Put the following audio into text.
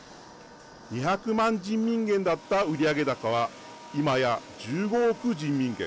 ２００万人民元だった売上高は今や１５億人民元。